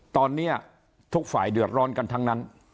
ตอนนี้ทุกฝ่ายเดือดร้อนกันทั้งนั้น